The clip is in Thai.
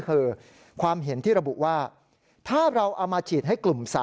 คือความเห็นที่ระบุว่าถ้าเราเอามาฉีดให้กลุ่ม๓